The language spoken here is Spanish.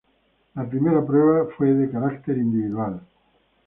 La primera prueba fue carácter individual.